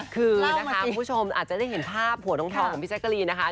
คือนะคะคุณผู้ชมอาจจะได้เห็นภาพหัวน้องทองของพี่แจ๊กกะรีนนะคะ